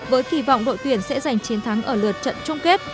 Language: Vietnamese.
với kỳ vọng đội tuyển sẽ giành chiến thắng ở lượt trận chung kết